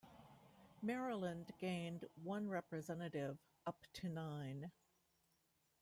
Maryland gained one representative, up to nine.